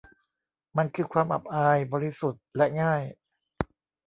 มันคือความอับอาย บริสุทธิ์และง่าย